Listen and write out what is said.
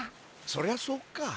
そりゃそっか。